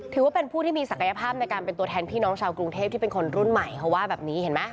ถือว่าเป็นผู้ที่มีศักยภาพในการเป็นตัวแทนพี่น้องชาวกรุงเทพที่เป็นคนรุ่นใหม่เขาว่าแบบนี้เห็นไหม